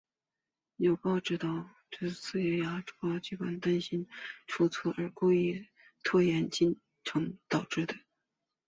有报导指出此次延迟是市政府高级官员担心差错而故意拖慢进程导致的。